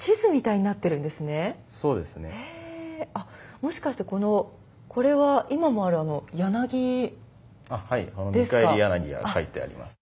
もしかしてこのこれは今もあるあの柳ですか。